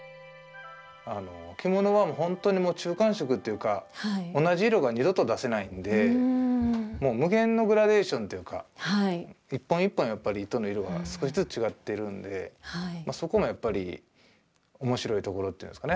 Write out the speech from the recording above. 着物はもう本当に中間色というか同じ色が二度と出せないんで無限のグラデーションというか一本一本やっぱり糸の色が少しずつ違ってるんでそこがやっぱり面白いところっていうんですかね。